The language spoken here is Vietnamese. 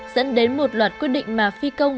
dẫn đến một loạt quyết định mà phi công